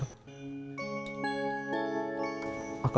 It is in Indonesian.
saya tahu akan masih marah sama saya